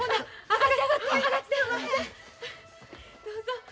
どうぞ。